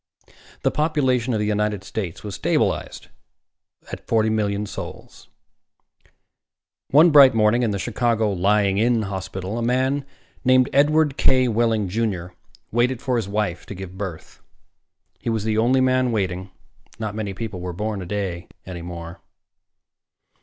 The population of the United States was stabilized at forty million souls. One bright morning in the Chicago Lying in Hospital, a man named Edward K. Wehling, Jr., waited for his wife to give birth. He was the only man waiting. Not many people were born a day any more.